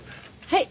はい。